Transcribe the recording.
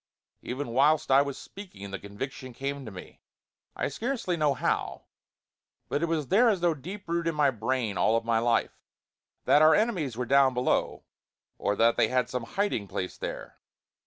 even whilst I was speaking the conviction came to me I scarcely know how, but it was there as though deep rooted in my brain all my life that our enemies were down below, or that they had some hiding place there.